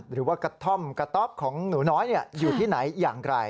หรือว่ากระท่อมกระต๊อบของหนูน้อยอยู่ที่ไหนอย่างไร